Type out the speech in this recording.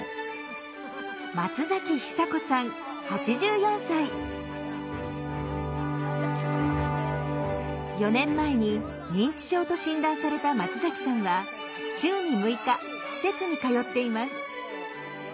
４年前に認知症と診断された松さんは週に６日施設に通っています。